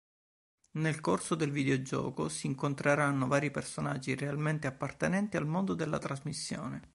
Nel corso del videogioco si incontreranno vari personaggi realmente appartenenti al mondo della trasmissione.